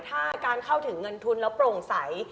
ถ้าการเข้าถึงเงินทุนแล้วโปร่งใส